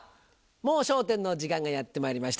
『もう笑点』の時間がやってまいりました。